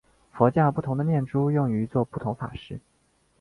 佛教不同的念珠用于作不同法事。